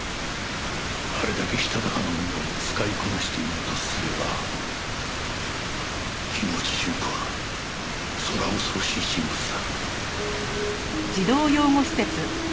あれだけしたたかな女を使いこなしているとすれば木之内順子は空恐ろしい人物だ。